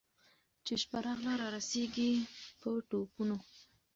چي شپه راغله رارسېږي په ټوپونو